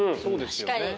確かに。